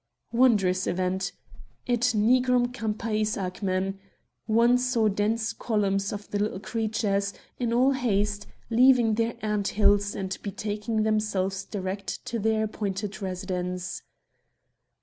" Wondrous event !* It nigrum campis agmen,' one saw dense columns of the little creatures, in all haste, leaving their ant hills, and betaking themselves direct to their appointed residence."